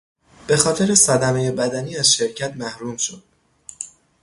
به خاطر صدمهی بدنی از شرکت محروم شد.